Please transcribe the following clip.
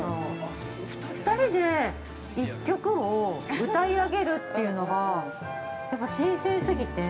２人で１曲を歌いあげるっていうのが、やっぱ新鮮すぎて。